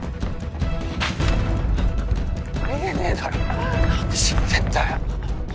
あり得ねえだろ何で死んでんだよ。